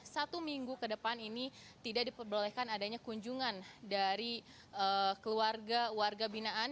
satu minggu ke depan ini tidak diperbolehkan adanya kunjungan dari keluarga warga binaan